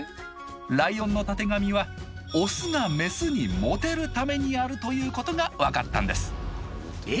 ライオンのたてがみは「オスがメスにモテるためにある」ということが分かったんですえ